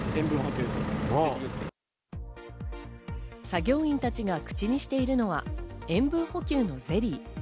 作業員たちが口にしているのは、塩分補給のゼリー。